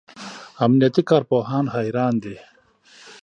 امنیتي کارپوهان حیران دي.